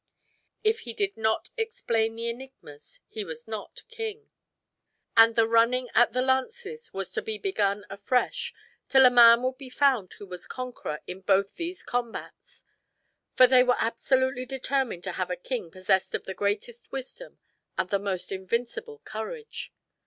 If he did not explain the enigmas he was not king; and the running at the lances was to be begun afresh till a man would be found who was conqueror in both these combats; for they were absolutely determined to have a king possessed of the greatest wisdom and the most invincible courage.